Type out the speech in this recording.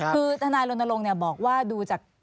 คือธนายรณรงค์เนี่ยบอกว่าดูจาก